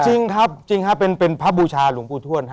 จริงครับเป็นพระบูชาหลุงปูทวช